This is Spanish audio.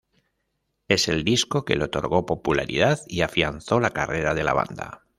Es el disco que le otorgó popularidad y afianzó la carrera de la banda.